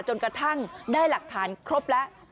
จนกระทั่งได้หลักฐานครบแล้ว